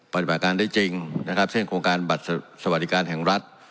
ปฏิบัติการได้จริงนะครับเช่นโครงการบัตรสวัสดิการแห่งรัฐ